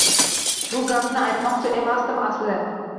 Bu gapni aytmoqchi emasdim asli